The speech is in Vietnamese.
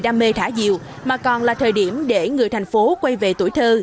đam mê thả diều mà còn là thời điểm để người thành phố quay về tuổi thơ